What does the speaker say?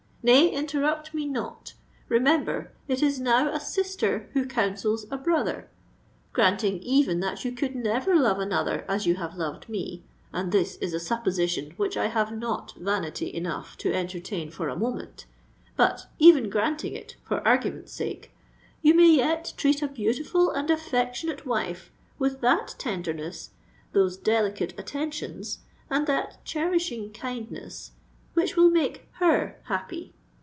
Nay—interrupt me not: remember, it is now a sister who counsels a brother! Granting even that you could never love another as you have loved me—and this is a supposition which I have not vanity enough to entertain for a moment—but, even granting it, for argument's sake, you may yet treat a beautiful and affectionate wife with that tenderness—those delicate attentions—and that cherishing kindness which will make her happy.